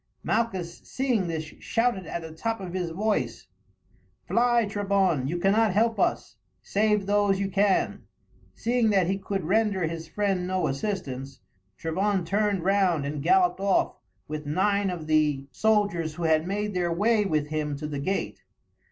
Malchus seeing this shouted at the top of his voice: "Fly, Trebon, you cannot help us, save those you can." Seeing that he could render his friend no assistance, Trebon turned round and galloped off with nine of the soldiers who had made their way with him to the gate.